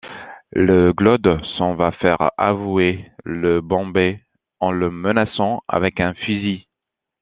Le Glaude s'en va faire avouer le Bombé en le menaçant avec un fusil.